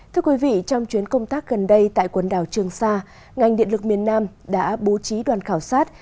thưa quý vị trong chuyến công tác gần đây tại quần đảo trường sa ngành điện lực miền nam đã bố trí đoàn khảo sát